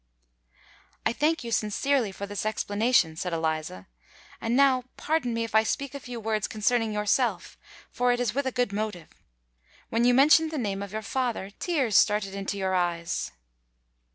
"I thank you sincerely for this explanation," said Eliza. "And now, pardon me if I speak a few words concerning yourself—for it is with a good motive. When you mentioned the name of your father, tears started into your eyes."